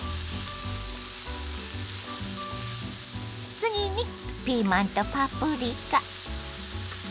次にピーマンとパプリカ。